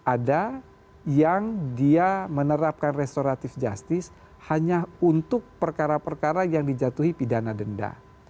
ada yang dia menerapkan restoratif justice hanya untuk perkara perkara yang dijatuhi pidana denda